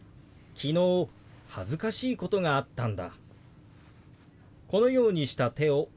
昨日恥ずかしいことがあったんだ。